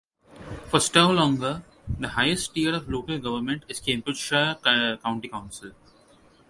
For Stow Longa the highest tier of local government is Cambridgeshire County Council.